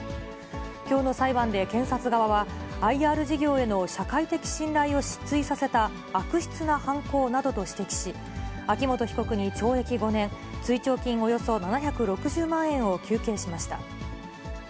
きょうの裁判で検察側は、ＩＲ事業への社会的信頼を失墜させた、悪質な犯行などと指摘し、秋元被告に懲役５年、追徴金およそ７６０万円を求刑しました。